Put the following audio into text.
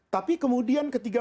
tapi kemudian ketika